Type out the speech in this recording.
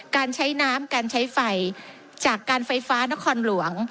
การใช้น้ำการใช้ไฟจากการไฟฟ้านครหลวง